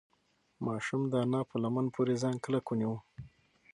ماشوم د انا په لمن پورې ځان کلک ونیو.